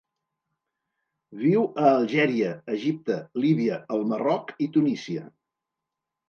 Viu a Algèria, Egipte, Líbia, el Marroc i Tunísia.